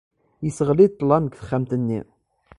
Yesseɣli-d ṭṭlam deg texxamt-nni.